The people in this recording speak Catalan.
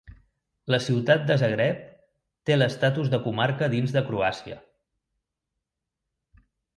La ciutat de Zagreb té l'estatus de comarca dins de Croàcia.